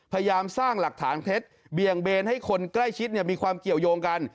พยายามสร้างหลักฐานเท็จเบี่ยงเบนให้คนใกล้ชิดมีความเกี่ยวยงกัน